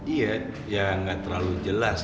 iya ya nggak terlalu jelas